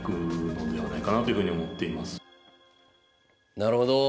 なるほど。